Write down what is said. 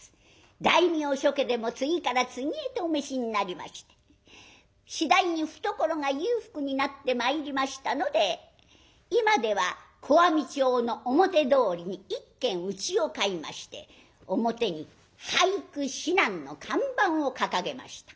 大名諸家でも次から次へとお召しになりまして次第に懐が裕福になってまいりましたので今では小網町の表通りに１軒うちを買いまして表に「俳句指南」の看板を掲げました。